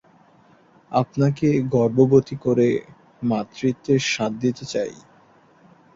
তিনি দু'বার সংসদ সদস্য ছিলেন।